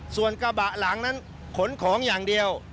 ส่วนกระบะหลังนั้นขนของอย่างเดียว